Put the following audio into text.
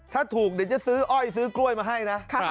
ถ้าถูกเดี๋ยวจะซื้ออ้อยซื้อกล้วยมาให้นะ